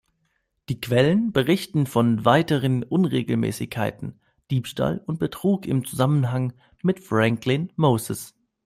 Die Quellen berichten von weiteren Unregelmäßigkeiten, Diebstahl und Betrug im Zusammenhang mit Franklin Moses.